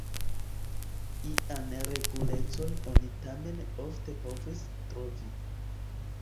Ian regulecon oni tamen ofte povus trovi.